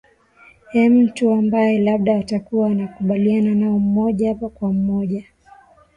eh mtu ambaye labda atakuwa anakubaliana nao moja kwa moja